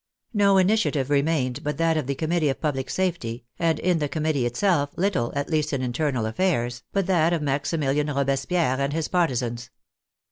No initiative re mained but that of the Committee of Public Safety, and in the Committee itself little, at least in internal affairs, but that of Maximilian Robespierre and his partisans.